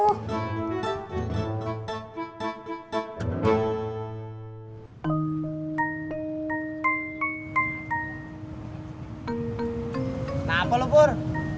kenapa lu pur